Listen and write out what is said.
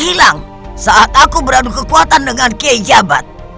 hilang saat aku beradu kekuatan dengan kiai jabat